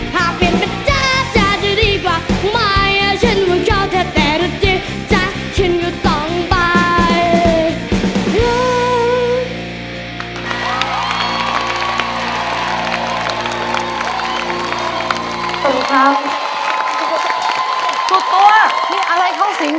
ถ้าเปลี่ยนเป็นเจ้าเจ้าจะดีกว่าไม่ฉันว่าเข้าถ้าแต่ถ้าจี้จ้ะฉันก็ต้องไป